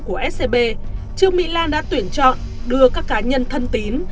của scb trương mỹ lan đã tuyển chọn đưa các cá nhân thân tín